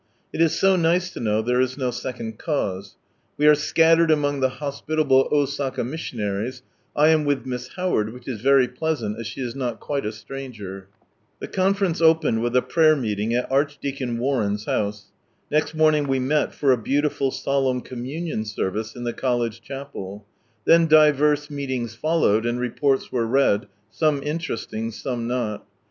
It is so nice to know there is no second cause. We are scattered among the hospitable Osaka missionaries, I am with Miss Howard, which is very pleasant as she is not quite a stranger The Conference opened with a prayer meeting at Archdeacon Warren's house ; next morning we met for a beautiful solemn Communion Service in the College ChapeL Then divers meetings followed, and reports were read, some interesting, some not.